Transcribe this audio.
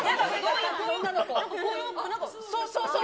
そうそうそう。